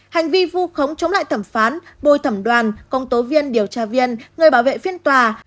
hành vi vu khống chống lại thẩm phán bôi thẩm đoàn công tố viên điều tra viên người bảo vệ phiên tòa